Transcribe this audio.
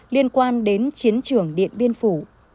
liên quan đến chiến trường điện biên phủ